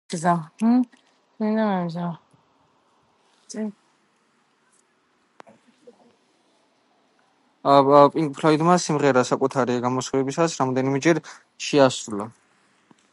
პინკ ფლოიდმა სიმღერა საკუთარი გამოსვლებისას რამდენიმეჯერ შეასრულა.